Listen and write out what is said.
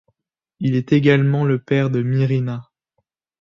Il est également le père de Myrina.